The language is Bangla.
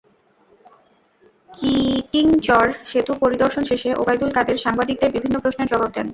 কিটিংচর সেতু পরিদর্শন শেষে ওবায়দুল কাদের সাংবাদিকদের বিভিন্ন প্রশ্নের জবাব দেন।